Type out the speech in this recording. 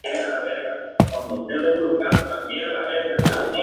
Los casos moderados podrían requerir manejo de los síntomas.